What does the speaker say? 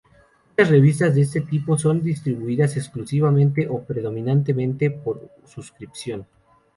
Muchas revistas de este tipo son distribuidas exclusivamente o predominantemente por suscripción.